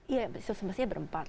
ya semestinya berempat